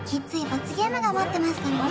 罰ゲームが待ってますからね